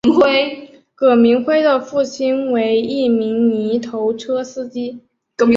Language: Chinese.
葛民辉的父亲为一名泥头车司机。